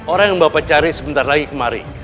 orang yang bapak cari sebentar lagi kemari